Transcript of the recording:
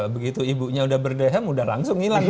begitu ibunya udah berdehem udah langsung ngilang